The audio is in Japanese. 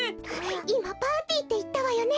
いまパーティーっていったわよね？